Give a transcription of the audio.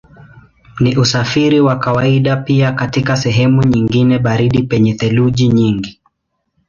Ni usafiri wa kawaida pia katika sehemu nyingine baridi penye theluji nyingi.